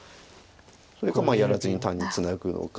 それかやらずに単にツナぐのか。